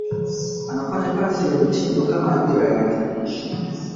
anafanya kazi ya mitindo Kama ajira yake